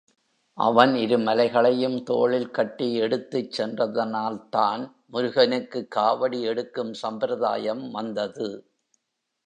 அவன் இரு மலைகளையும் தோளில் கட்டி எடுத்துச் சென்றதனால்தான் முருகனுக்கு காவடி எடுக்கும் சம்பிரதாயம் வந்தது.